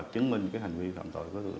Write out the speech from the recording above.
khiến nạn nhân tử vong